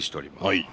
はい。